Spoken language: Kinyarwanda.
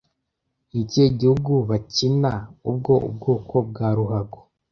Ni ikihe gihugu bakina ubwo ubwoko bwa ruhago